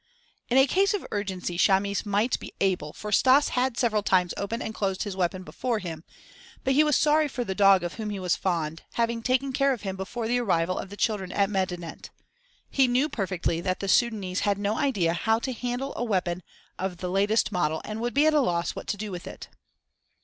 In a case of urgency, Chamis might be able, for Stas had several times opened and closed his weapon before him, but he was sorry for the dog of whom he was fond, having taken care of him before the arrival of the children at Medinet. He knew perfectly that the Sudânese had no idea how to handle a weapon of the latest model and would be at a loss what to do with it.